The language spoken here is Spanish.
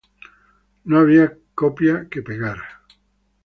No había copiar pegar.